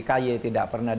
kaye tidak pernah